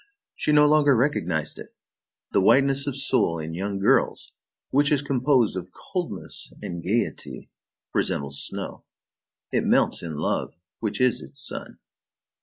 She no longer recognized it. The whiteness of soul in young girls, which is composed of coldness and gayety, resembles snow. It melts in love, which is its sun.